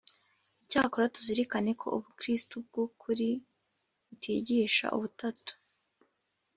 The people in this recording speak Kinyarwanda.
icyakora, tuzirikane ko ubukristo bw’ukuri butigisha ubutatu.